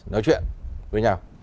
nói chuyện với nhau